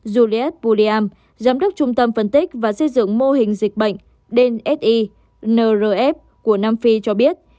juliette pouliam giám đốc trung tâm phân tích và xây dựng mô hình dịch bệnh densi nrf của nam phi cho biết